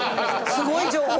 すごい情報。